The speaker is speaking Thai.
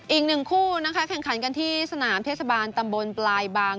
อีกหนึ่งคู่นะคะแข่งขันกันที่สนามเทศบาลตำบลปลายบาง